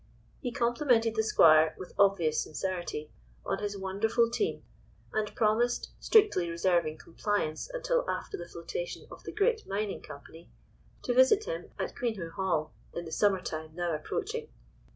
He complimented the Squire, with obvious sincerity, on his wonderful team, and promised, strictly reserving compliance until after the flotation of the great mining company, to visit him at Queenhoo Hall in the summer time now approaching.